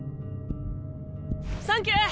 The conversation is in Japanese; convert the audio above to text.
サンキュー！